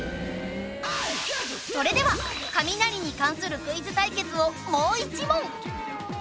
それでは雷に関するクイズ対決をもう１問。